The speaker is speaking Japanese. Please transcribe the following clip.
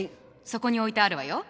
そこに置いてあるわよ。